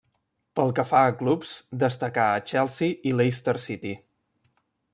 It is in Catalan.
Pel que fa a clubs, destacà a Chelsea i Leicester City.